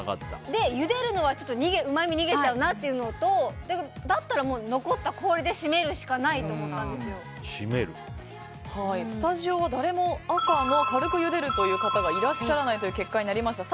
ゆでるのはうまみが逃げちゃうなというのとだったら、残った氷で締めるしかないとスタジオは誰も赤の軽くゆでるという方がいらっしゃらないという結果になりました。